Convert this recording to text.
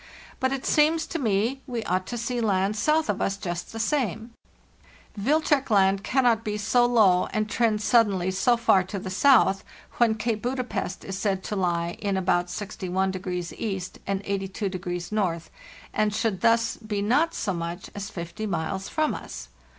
But it seems to me we ought to see land south of us just the same. Wilczek Land cannot be so low and trend suddenly so far to the south, when Cape Buda pest is said to lie in about 61° E. and 82° N., and should thus be not so much as 50 miles from us.